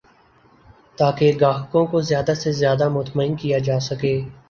تاکہ گاہکوں کو زیادہ سے زیادہ مطمئن کیا جا سکے